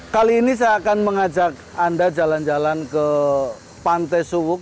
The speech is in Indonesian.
kali ini saya akan mengajak anda jalan jalan ke pantai suwuk